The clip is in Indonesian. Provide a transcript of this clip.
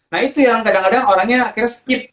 nah itu yang kadang kadang orangnya akhirnya speed